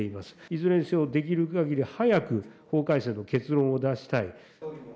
いずれにせよ、できるかぎり早く法改正の結論を出したい。